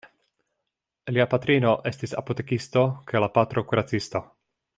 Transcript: Lia patrino estis apotekisto kaj la patro kuracisto.